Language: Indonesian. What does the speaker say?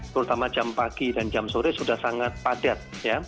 terutama jam pagi dan jam sore sudah sangat padat